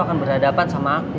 akan berhadapan sama aku